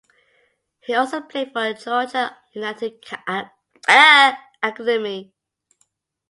He also played for Georgia United Academy.